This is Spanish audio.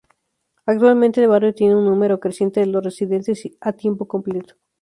Actualmente, el barrio tiene un número creciente de residentes a tiempo completo.